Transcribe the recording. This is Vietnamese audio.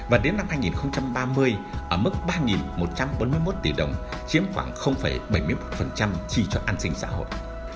và đến năm hai nghìn ba mươi ở mức ba một trăm bốn mươi một tỷ đồng chiếm khoảng bảy mươi một chi cho an sinh xã hội